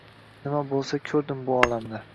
Nima bo‘lsa, ko‘rdim bu olamda